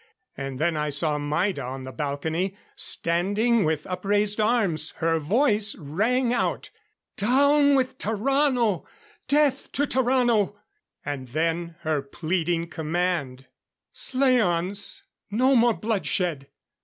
And then I saw Maida on the balcony, standing with upraised arms. Her voice rang out. "Down with Tarrano! Death to Tarrano!" And then her pleading command: "Slaans, no more bloodshed!